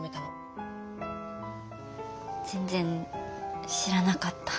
全然知らなかった。